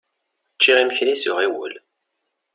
Ččiɣ imekli s uɣiwel.